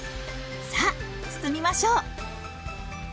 さあ包みましょう！